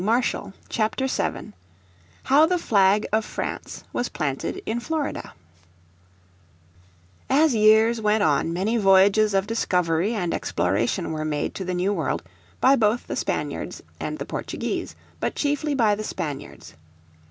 __________ Chapter 7 How The Flag of France Was Planted in Florida As years went on many voyages of discovery and exploration were made to the New World by both the Spaniards and the Portuguese, but chiefly by the Spaniards.